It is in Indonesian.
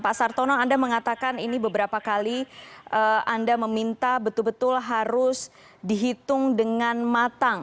pak sartono anda mengatakan ini beberapa kali anda meminta betul betul harus dihitung dengan matang